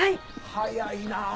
早いな。